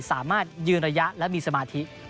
สามารถยืนระยะและมีสมาธิ